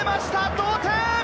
同点！